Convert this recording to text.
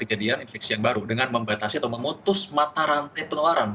kejadian infeksi yang baru dengan membatasi atau memutus mata rantai penularan